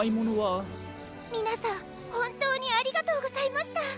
みなさんほんとうにありがとうございました。